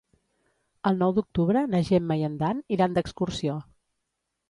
El nou d'octubre na Gemma i en Dan iran d'excursió.